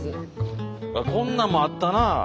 こんなんもあったな！